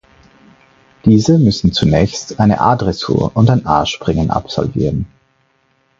Diese müssen zunächst eine A-Dressur und ein A-Springen absolvieren.